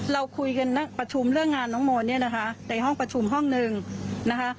เราคุยกันประชุมเรื่องงานน้องโมเนี่ยนะคะในห้องประชุมห้องหนึ่งนะคะ